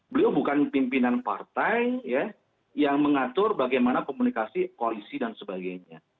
beliau bukan pimpinan partai yang mengatur bagaimana komunikasi koalisi dan sebagainya